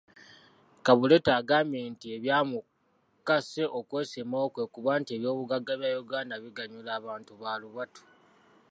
Kabuleeta agambye nti ebyamukase okwesimbawo kwe kuba nti ebyobugagga bya Uganda biganyula abantu balubatu.